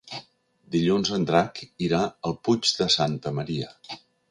Dilluns en Drac irà al Puig de Santa Maria.